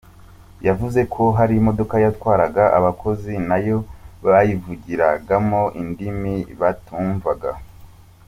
Yavuze ko hari imodoka yatwaraga abakozi nayo bayivugiragamo indimi batumvaga.